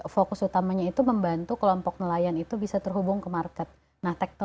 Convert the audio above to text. fokus utamanya itu membantu kelompok nelayan itu bisa terhubung ke market